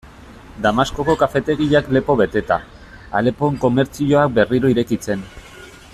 Damaskoko kafetegiak lepo beteta, Alepon komertzioak berriro irekitzen...